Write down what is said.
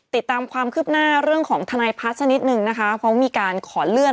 ติดตามความคืบหน้าเรื่องของทนายพัฒน์สักนิดนึงนะคะเพราะมีการขอเลื่อน